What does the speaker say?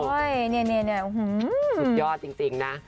ใช่โอ้ยนี่สุดยอดจริงนะ